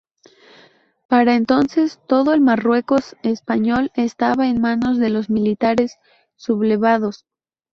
Para entonces todo el Marruecos español estaba en manos de los militares sublevados.